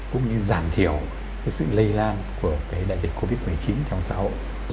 cũng như giảm thiểu sự lây lan của đại dịch covid một mươi chín trong xã hội